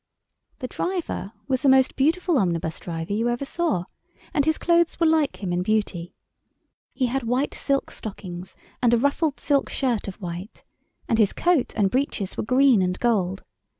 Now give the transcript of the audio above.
The driver was the most beautiful omnibus driver you ever saw, and his clothes were like him in beauty. He had white silk stockings and a ruffled silk shirt of white, and his coat and breeches were green and gold.